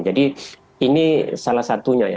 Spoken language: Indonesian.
jadi ini salah satunya ya